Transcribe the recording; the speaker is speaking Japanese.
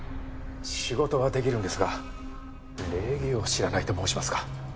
仕事はできるのですが礼儀を知らないと申しますか。